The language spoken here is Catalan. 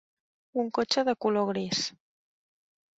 Un cotxe de color gris.